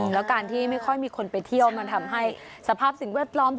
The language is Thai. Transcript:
แล้วการที่ไม่ค่อยมีคนไปเที่ยวมันทำให้สภาพสิ่งแวดล้อม